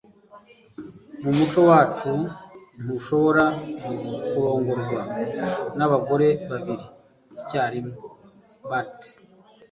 mu muco wacu, ntushobora kurongorwa nabagore babiri icyarimwe. (bart